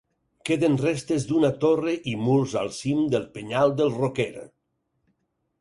Queden restes d'una torre i murs al cim del penyal del Roquer.